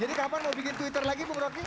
jadi kapan mau bikin twitter lagi bung roky